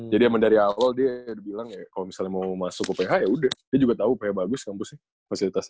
jadi dari awal dia bilang ya kalau mau masuk uph ya udah dia juga tau uph bagus kampusnya fasilitasnya